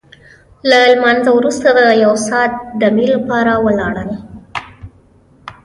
له لمانځه وروسته د یو ساعت دمې لپاره ولاړل.